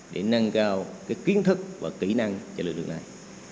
để nâng cao kiến thức và kỹ năng cho lực lượng này